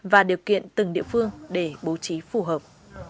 và điều kiện từng địa phương để bố trí phù hợp